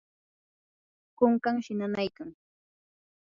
kunkanshi nanaykan.